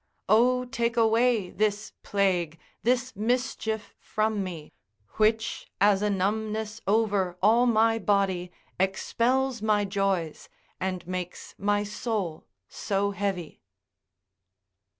O take away this plague, this mischief from me, Which, as a numbness over all my body, Expels my joys, and makes my soul so heavy.